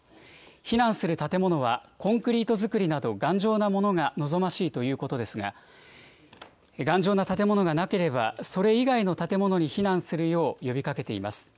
避難する建物は、コンクリート造りなど、頑丈なものが望ましいということですが、頑丈な建物がなければ、それ以外の建物に避難するよう呼びかけています。